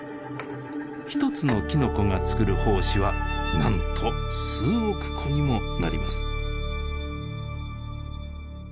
一つのきのこがつくる胞子はなんと数億個にもなります。